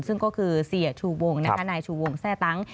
ซึ่งก็คือเสียชูวงในชูวงแซ่ตังก์